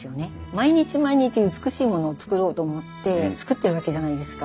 毎日毎日美しいものを作ろうと思って作ってるわけじゃないですか。